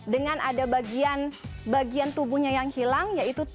dengan ada bagian tubuhnya yang hilang